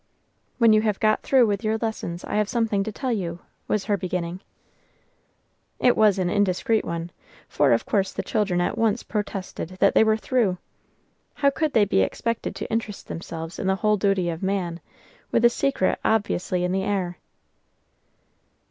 "When you have got through with your lessons, I have something to tell you," was her beginning. It was an indiscreet one; for of course the children at once protested that they were through! How could they be expected to interest themselves in the "whole duty of man," with a secret obviously in the air.